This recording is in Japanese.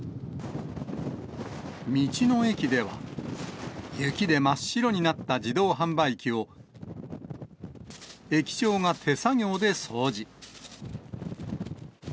道の駅では、雪で真っ白になった自動販売機を、駅長が手作業で掃除。